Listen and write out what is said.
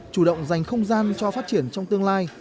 chủ động dành không gian cho phát triển trong tương lai